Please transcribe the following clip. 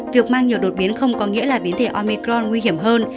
việc mang nhiều đột biến không có nghĩa là biến thể omicron nguy hiểm hơn